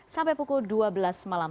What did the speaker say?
sampai pukul dua belas malam